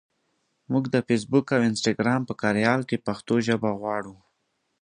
مونږ د فېسبوک او انسټګرام په کاریال کې پښتو ژبه غواړو.